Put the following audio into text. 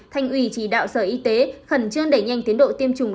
thành ủy chỉ đạo sở y tế khẩn trương đẩy nhanh tiến độ tiêm chủng